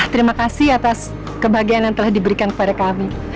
terima kasih atas kebahagiaan yang telah diberikan kepada kami